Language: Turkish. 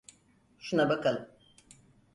Şuna bakalım.